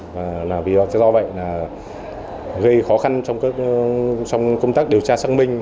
và do vậy gây khó khăn trong công tác điều tra xác minh